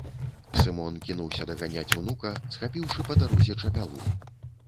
Сымон кінуўся даганяць унука, схапіўшы па дарозе чапялу.